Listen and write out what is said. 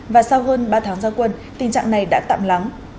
và sau hơn ba tháng gia quân tình trạng này đã tạm lắng